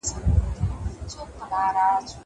که وخت وي، سبزېجات تياروم.